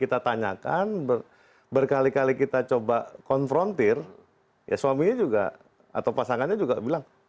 kita tanyakan berkali kali kita coba konfrontir ya suaminya juga atau pasangannya juga bilang